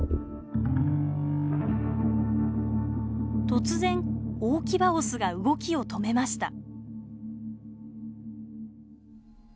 突然大キバオスが動きを止めました。